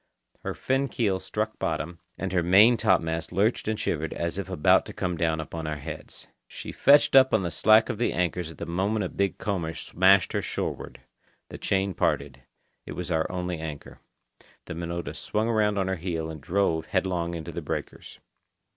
Her fin keel struck bottom, and her main topmast lurched and shivered as if about to come down upon our heads. She fetched up on the slack of the anchors at the moment a big comber smashed her shoreward. The chain parted. It was our only anchor. The Minota swung around on her heel and drove headlong into the breakers.